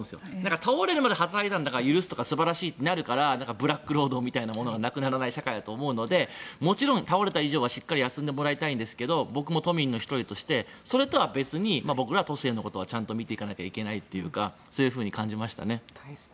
倒れるまで働いたから許すとか素晴らしいとかになるからブラック労働みたいなものがなくならない社会なので倒れたからにはしっかり休んでもらいたいですけど僕も都民ですけど、それとは別にちゃんと見ていかないといけないというかそういうふうに感じましたね。